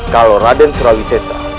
kalau raden sulawisensa